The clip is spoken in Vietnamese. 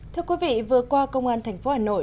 thưa quý vị vừa qua công an thành phố hà nội